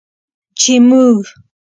چې موږ